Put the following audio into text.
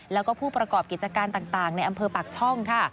แล้วก็ผู้ประกอบกิจการต่างในอำเภอปากช่องค่ะ